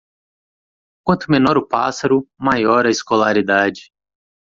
Quanto menor o pássaro, maior a escolaridade.